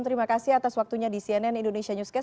terima kasih atas waktunya di cnn indonesia newscast